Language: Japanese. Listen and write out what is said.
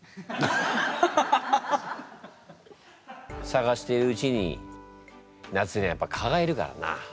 探しているうちに夏にはやっぱ蚊がいるからな。